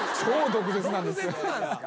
毒舌なんすか？